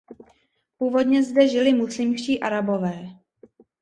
Původně zde žili muslimští Arabové.